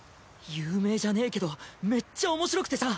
有名じゃねぇけどめっちゃ面白くてさ。